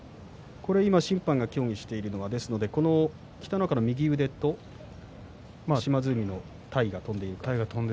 今審判が協議しているのは北の若の右腕と島津海の体が飛んでいるところ。